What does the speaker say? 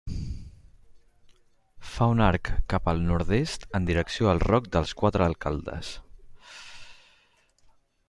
Fa un arc cap al nord-est en direcció al Roc dels Quatre Alcaldes.